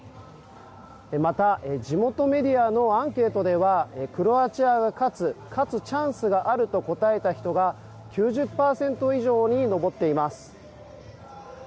また地元メディアのアンケートではクロアチアが勝つ勝つチャンスがあると答えた人が９０％以上に上っています。